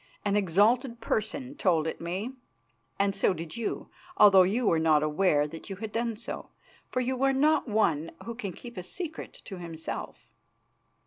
An exalted person told it me, and so did you, although you were not aware that you had done so, for you are not one who can keep a secret to himself.